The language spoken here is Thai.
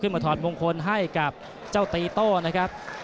มาถอดมงคลให้กับเจ้าตีโต้นะครับ